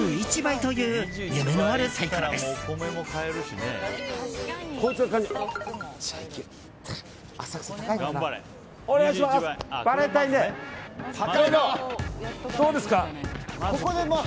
どうですか？